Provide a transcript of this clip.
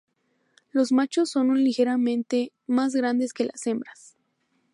Los machos son un ligeramente más grandes que las hembras.